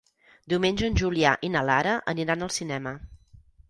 Diumenge en Julià i na Lara aniran al cinema.